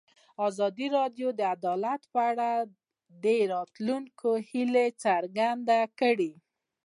ازادي راډیو د عدالت په اړه د راتلونکي هیلې څرګندې کړې.